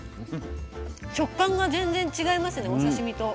食感が全然違いますねお刺身と。